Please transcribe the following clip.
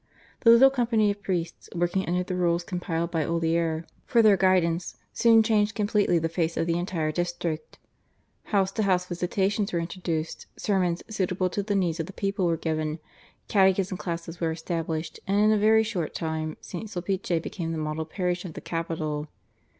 The little community of priests working under the rules compiled by Olier for their guidance soon changed completely the face of the entire district. House to house visitations were introduced; sermons suitable to the needs of the people were given; catechism classes were established, and in a very short time St. Sulpice became the model parish of the capital.